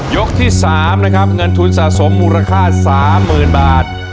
ที่๓นะครับเงินทุนสะสมมูลค่า๓๐๐๐บาท